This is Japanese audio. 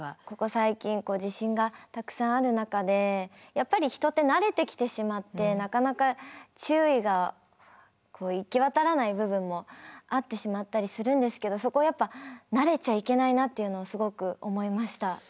ここ最近地震がたくさんある中でやっぱり人って慣れてきてしまってなかなか注意が行き渡らない部分もあってしまったりするんですけどそこはやっぱ慣れちゃいけないなっていうのをすごく思いました。